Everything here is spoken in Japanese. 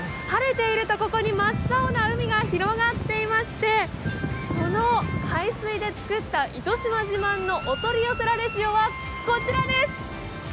晴れているとここに真っ青な海が広がっていましてその海水で作った糸島自慢のお取り寄せられ塩はこちらです。